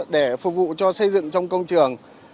để phục vụ cho xây dựng trong công trường